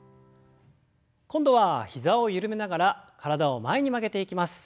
今度は膝を緩めながら体を前に曲げていきます。